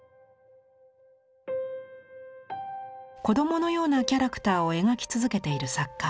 子供のようなキャラクターを描き続けている作家。